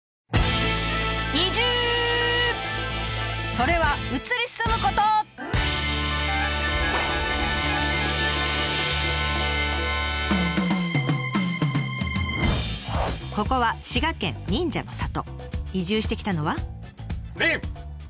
それはここは滋賀県移住してきたのは。